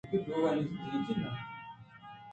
آئی ءِ سرا بارنہ بئے آکستر اِنت ءُترا باید بِلّیت